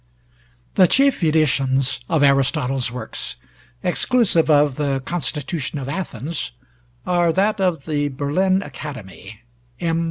The chief editions of Aristotle's works, exclusive of the 'Constitution of Athens,' are that of the Berlin Academy (Im.